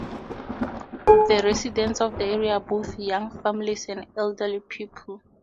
The residents of the area are both young families and elderly people.